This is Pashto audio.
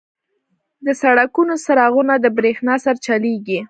• د سړکونو څراغونه د برېښنا سره چلیږي.